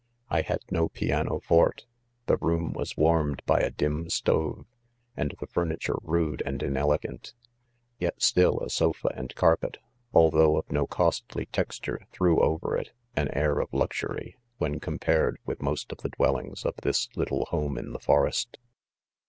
. I had no piano forte | the room was warmed by a dim stove, and the furniture rude and. inelegant ; yet still a sofa .and carpet, although of 'uncost ly texture, threw, over it anxurofluxTtty^when compared, with most of the dwellings pf_ tfiis little home in the forest